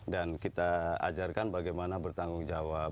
dan kita ajarkan bagaimana bertanggung jawab